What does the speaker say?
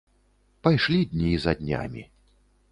Пайшлі дні за днямі.